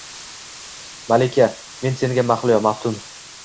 “Malika! Men senga mahliyo, maftun